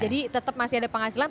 jadi tetap masih ada penghasilan